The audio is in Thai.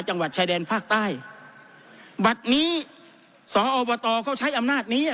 จังหวัดชายแดนภาคใต้บัตรนี้สอบตเขาใช้อำนาจนี้อ่ะ